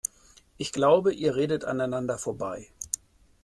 Ich glaube, ihr redet aneinander vorbei.